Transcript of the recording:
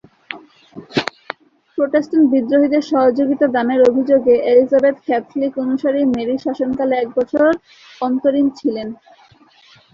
Protestant বিদ্রোহীদের সহযোগিতা দানের অভিযোগে এলিজাবেথ ক্যাথলিক অনুসারী মেরির শাসনকালে এক বছর অন্তরীণ ছিলেন।